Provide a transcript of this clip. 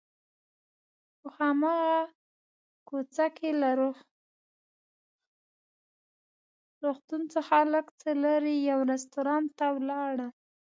په هماغه کوڅه کې له روغتون څخه لږ څه لرې یو رستورانت ته ولاړم.